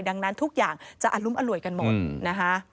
ดังนั้นทุกอย่างจะอรุมอร่วยกันหมดนะคะ